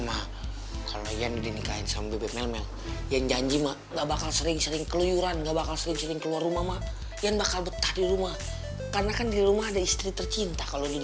aku aku speechless aku gak pernah ngelamar aku gak pernah ngelamar perempuan